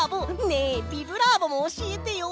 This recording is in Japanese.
ねえ「ビブラーボ！」もおしえてよ！